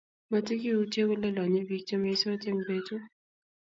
matikiyutie kole lonye biik che meisot eng' betu